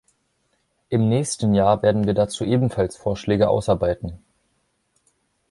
Im nächsten Jahr werden wir dazu ebenfalls Vorschläge ausarbeiten.